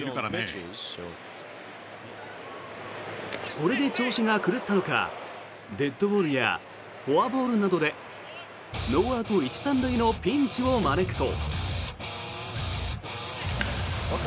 これで調子が狂ったのかデッドボールやフォアボールなどでノーアウト１・３塁のピンチを招くと。